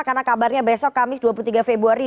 karena kabarnya besok kamis dua puluh tiga februari